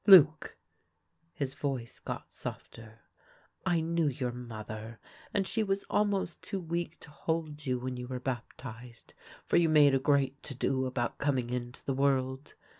Luc "— his voice got softer —" I knew your mother, and she was almost too weak to hold you when you were baptized, for you made a great to do about coming into the world.